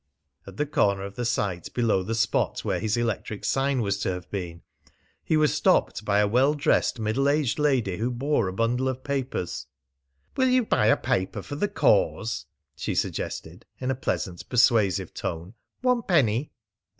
At the corner of the site, below the spot where his electric sign was to have been, he was stopped by a well dressed middle aged lady who bore a bundle of papers. "Will you buy a paper for the cause?" she suggested in a pleasant, persuasive tone. "One penny."